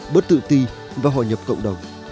bớt tự ti và hòa nhập cộng đồng